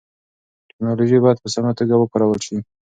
ټیکنالوژي باید په سمه توګه وکارول سي.